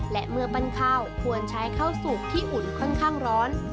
และเมื่อปั้นข้าวควรใช้ข้าวสุกที่อุ่นค่อนข้างร้อน